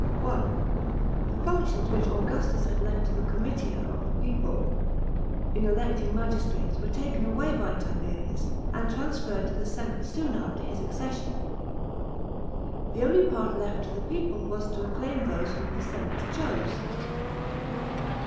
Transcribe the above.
(1) The functions which Augustus had left to the comitia of the people in electing magistrates were taken away by Tiberius, and transferred to the senate, soon after his accession. The only part left to the people was to " acclaim " those whom the senate chose.